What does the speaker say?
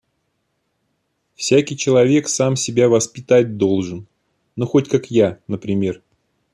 Всякий человек сам себя воспитать должен - ну хоть как я, например...